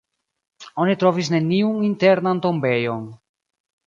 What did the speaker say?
Oni trovis neniun internan tombejon.